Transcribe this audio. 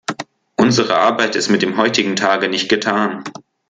Unsere Arbeit ist mit dem heutigen Tage nicht getan.